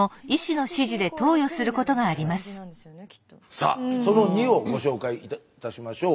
さあその２をご紹介いたしましょう。